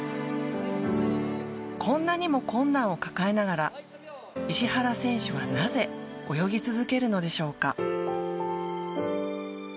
こんなにも困難を抱えながら石原選手はなぜ泳ぎ続けるのでしょうか。